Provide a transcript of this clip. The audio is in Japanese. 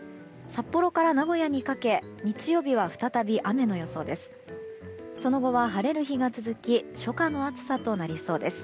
札幌から名古屋にかけ日曜日は再び雨の予想です。